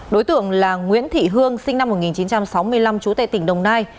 đối tượng là nguyễn thị hương sinh năm một nghìn chín trăm sáu mươi năm chú tệ tỉnh đồng nai